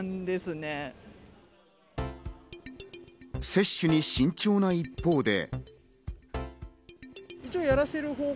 接種に慎重な一方で。